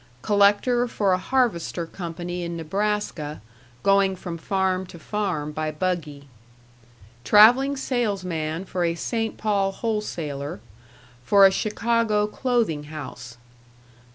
Collector for a harvester company in Nebraska, going from farm to farm by buggy. Traveling salesman for a St. Paul wholesaler, for a Chicago clothing house.